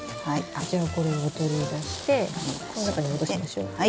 じゃあこれを取り出してこの中に戻しちゃいましょう。